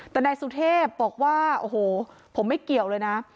แต่นายสุเทพบอกว่าโอ้โหผมไม่เกี่ยวเลยนะ